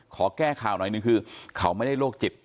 ขอแก้ข่าวหน่อยหนึ่งคือเขาไม่ได้โรคจิต